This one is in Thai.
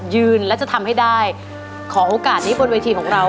ยืนและจะทำให้ได้ขอโอกาสนี้บนเวทีของเรา